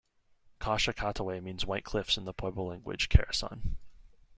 Kasha-Katuwe means "white cliffs" in the Pueblo language Keresan.